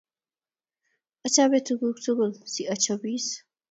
Achope tuguk tugul si achopis